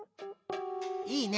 いいね。